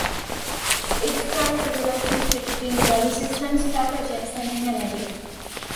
It studies the relationship between the body systems, pathogens, and immunity.